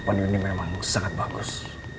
kami tau memang jos seaweed ini bagus